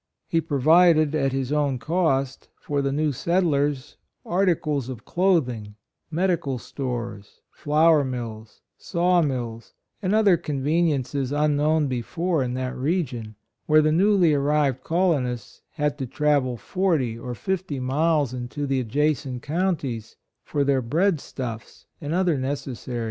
He provided, at his own cost, for the new settlers, articles of clothing, medical stores, flour mills, saw mills, and other conveniences un known before in that region, where the newly arrived colonists had to travel forty or fifty miles into the adjacent counties for their bread stuffs and other necessaries.